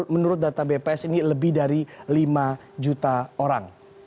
menurut data bps ini lebih dari lima juta orang